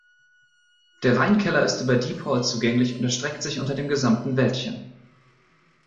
Der Weinkeller ist über Deep Hall zugänglich und erstreckt sich unter dem gesamten Wäldchen.